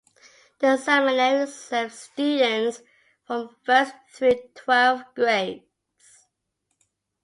The seminary served students from first through twelfth grades.